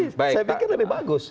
saya pikir lebih bagus